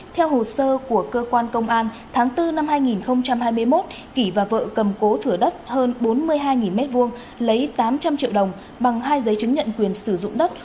theo hồ sơ của cơ quan công an tháng bốn năm hai nghìn hai mươi một kỷ và vợ cầm cố thửa đất hơn bốn mươi hai m hai lấy tám trăm linh triệu đồng bằng hai giấy chứng nhận quyền sử dụng đất